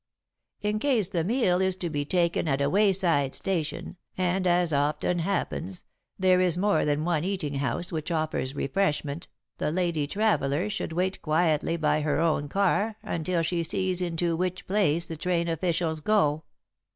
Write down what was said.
In case the meal is to be taken at a wayside station, and, as often happens, there is more than one eating house which offers refreshment, the lady traveller should wait quietly by her own car until she sees into which place the train officials go.